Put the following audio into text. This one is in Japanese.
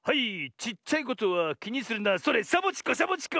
「ちっちゃいことはきにするなそれサボチコサボチコ」